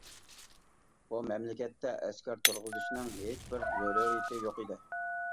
بۇ مەملىكەتتە ئەسكەر تۇرغۇزۇشنىڭ ھېچبىر زۆرۈرىيىتى يوق ئىدى.